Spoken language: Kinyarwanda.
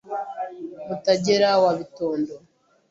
Mutagera wa Bitondo